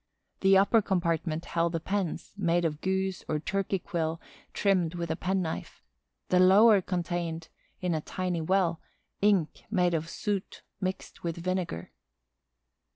The upper compartment held the pens, made of goose or turkey quill trimmed with a penknife; the lower contained, in a tiny well, ink made of soot mixed with vinegar.